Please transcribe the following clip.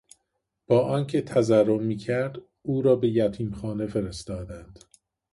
با آنکه تضرع میکرد او را به یتیم خانه فرستادند.